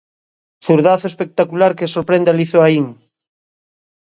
Zurdazo espectacular que sorprende a Lizoaín.